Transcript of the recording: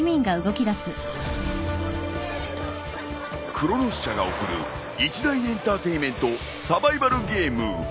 ［クロノス社が送る一大エンターテインメントサバイバルゲーム］